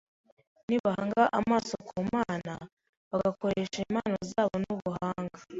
Nibahanga amaso ku Mana, bagakoresha impano zabo n’ubuhanga